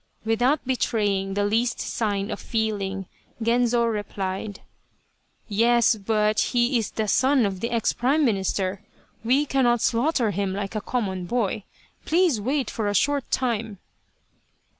" Without betraying the least sign of feeling, Genzo replied :" Yes, but he is the son of the ex Prime Minister. We cannot slaughter him like a common boy. Please wait for a short time